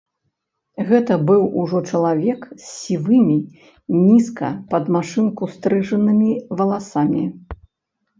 Гэта быў ужо чалавек з сівымі, нізка, пад машынку стрыжанымі валасамі.